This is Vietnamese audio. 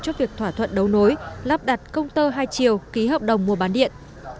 cho việc thỏa thuận đấu nối lắp đặt công tơ hai chiều ký hợp đồng mua bán điện